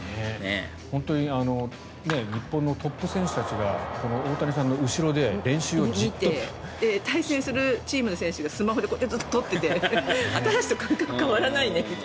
本当に日本のトップ選手たちが大谷さんの後ろで対戦するチームの選手がスマホで撮っていて私たちと感覚が変わらないねって。